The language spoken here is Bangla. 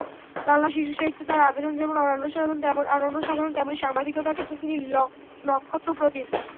বাংলা শিশুসাহিত্যে তাঁর অবদান যেমন অনন্যসাধারণ, তেমনি সাংবাদিকতার ক্ষেত্রে তিনি নক্ষত্রপ্রতিম।